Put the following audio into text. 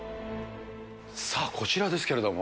さあ、こちらですけれども。